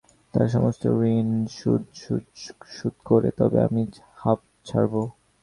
তাঁর সমস্ত ঋণ সুদসুদ্ধ শোধ করে তবে আমি হাঁপ ছাড়ব।